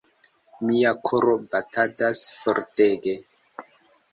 Mia koro batadas fortege.